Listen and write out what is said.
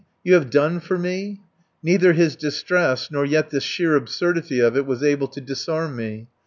You have done for me?" Neither his distress nor yet the sheer absurdity of it was able to disarm me.